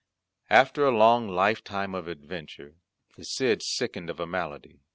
After a long life time of adventure the Cid sickened of a malady.